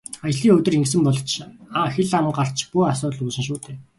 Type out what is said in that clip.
Ажлын өдөр ингэсэн бол ч хэл ам гарч бөөн асуудал үүснэ шүү дээ.